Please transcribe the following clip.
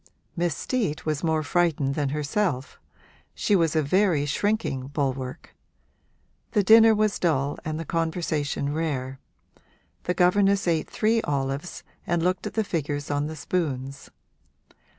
Miss Steet was more frightened than herself she was a very shrinking bulwark. The dinner was dull and the conversation rare; the governess ate three olives and looked at the figures on the spoons.